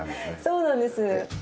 そうなんです。